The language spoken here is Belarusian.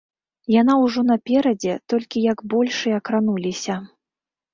Яна ўжо наперадзе, толькі як большыя крануліся.